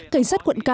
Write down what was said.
cảnh sát quận cam